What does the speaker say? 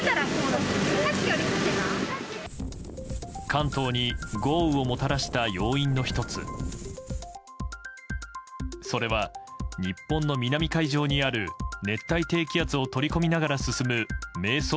関東に豪雨をもたらした要因の１つそれは、日本の南海上にある熱帯低気圧を取り込みながら進む迷走